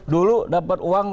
dulu dapat uang